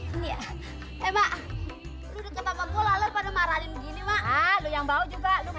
gini ya emak lu pada marahin gini maka yang bau juga